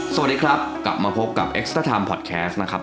สวัสดีครับกลับมาพบกับเอ็กซ์เตอร์ไทม์พอดแคสต์นะครับ